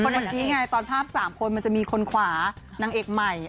คนเดี๋ยวไงตอนภาพสามคนมันจะมีคนขวานางเอกใหม่